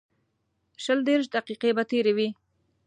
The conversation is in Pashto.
شل دېرش دقیقې به تېرې وې.